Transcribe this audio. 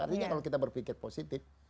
artinya kalau kita berpikir positif